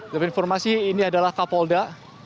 dapat informasi ini adalah kapolda